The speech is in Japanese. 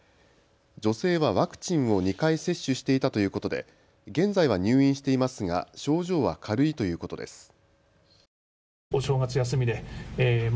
女性はワクチンを２回接種していたということで現在は入院していますが症状は軽いということです。